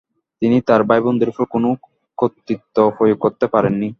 তিনি তার ভাইবোনদের উপর কোনো কর্তৃত্ব প্রয়োগ করতে পারেননি।